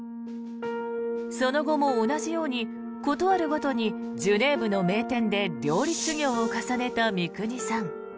その後も同じように事あるごとにジュネーブの名店で料理修行を重ねた三國さん。